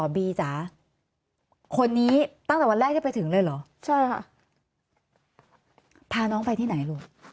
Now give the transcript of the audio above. บีจ๋าคนนี้ตั้งแต่วันแรกที่ไปถึงเลยเหรอใช่ค่ะพาน้องไปที่ไหนลูก